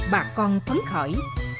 bà con phấn khởi